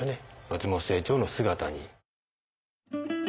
松本清張の姿に。